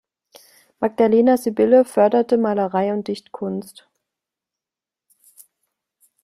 Magdalena Sibylle förderte Malerei und Dichtkunst.